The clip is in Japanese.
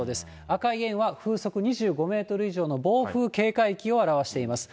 赤い円は、風速２５メートル以上の暴風警戒域を表しています。